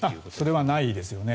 それはないですよね。